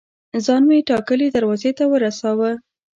ځان مې ټاکلي دروازې ته ورساوه.